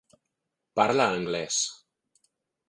Parla anglès.